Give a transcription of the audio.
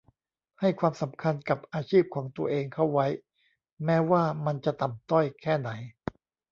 ให้ความสำคัญกับอาชีพของตัวเองเข้าไว้ แม้ว่ามันจะต่ำต้อยแค่ไหน